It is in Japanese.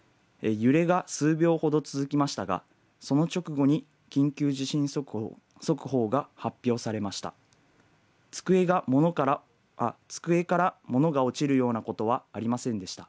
揺れが数秒ほど続きましたがその直後に緊急地震速報が発表されました。